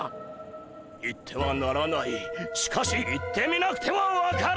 行ってはならないしかし行ってみなくては分からない。